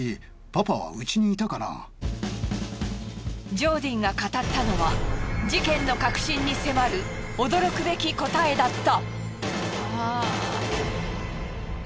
ジョーディンが語ったのは事件の確信に迫る驚くべき答えだった！